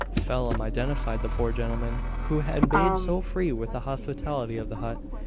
Phelim identified the four gentlemen who had made so free with the hospitality of the hut.